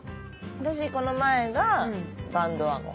私この前が『バンドワゴン』。